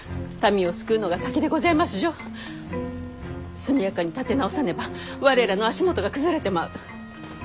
速やかに立て直さねば我らの足元が崩れてまう。